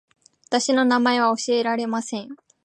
私の名前は教えられません